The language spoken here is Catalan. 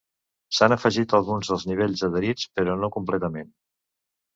S'han afegit alguns dels nivells adherits, però no completament.